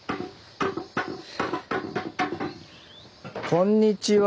こんにちは。